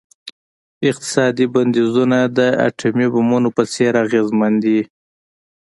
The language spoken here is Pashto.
اقتصادي بندیزونه د اټومي بمونو په څیر اغیزمن دي.